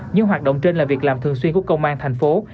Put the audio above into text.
những hoạt động trên là việc làm thường xuyên của công an tp cn